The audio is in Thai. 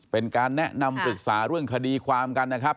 เป็นการแนะนำปรึกษาเรื่องคดีความกันนะครับ